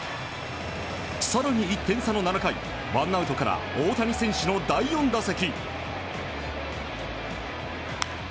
更に１点差の７回ワンアウトから大谷選手の第４打席。